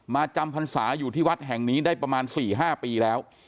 จำพรรษาอยู่ที่วัดแห่งนี้ได้ประมาณ๔๕ปีแล้ว